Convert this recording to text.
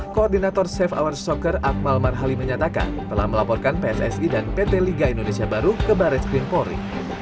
koordinator safe hour soccer akmal marhali menyatakan telah melaporkan pssi dan pt liga indonesia baru ke baris krimpori